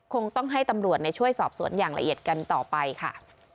คงต้องให้ตำรวจช่วยสอบสวนอย่างละเอียดกันต่อไปค่ะ